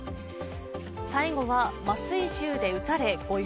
最後は麻酔銃で撃たれ、御用。